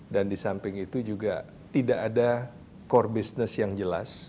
dan di samping itu juga tidak ada core business yang jelas